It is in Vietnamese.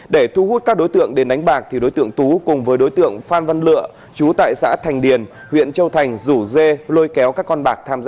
để thu hút các đối tượng đến đánh bạc đối tượng tú cùng với đối tượng phan văn lựa chú tại xã thành điền huyện châu thành rủ dê lôi kéo các con bạc tham gia